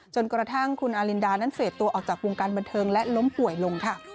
จนกระทั่งคุณอารินดานั้นเสพตัวออกจากวงการบันเทิงและล้มป่วยลงค่ะ